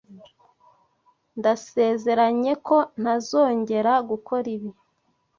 Ndasezeranye ko ntazongera gukora ibi.